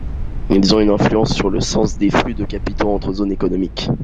Ils ont une influence sur le sens des flux de capitaux entre zones économiques.